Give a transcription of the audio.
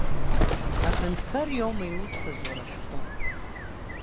Аҳәынҭқар иоума иузҭаз уара ашәҟәы?